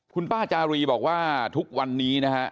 คุณป้าจารีบอกว่าทุกวันนี้นะฮะ